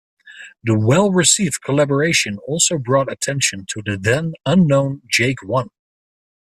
The well received collaboration also brought attention to the then-unknown Jake One.